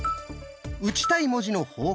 打ちたい文字の方向